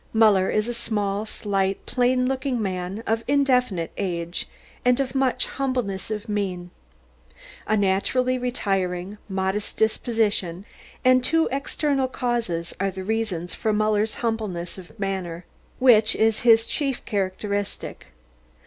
Muller is a small, slight, plain looking man, of indefinite age, and of much humbleness of mien. A naturally retiring, modest disposition, and two external causes are the reasons for Muller's humbleness of manner, which is his chief characteristic.